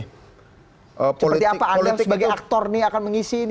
seperti apa anda sebagai aktor ini akan mengisi ini ke depan